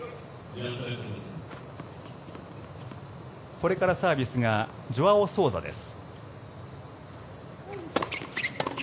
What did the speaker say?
これからサービスがジョアオ・ソウザです。